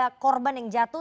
jadi ada korban yang jatuh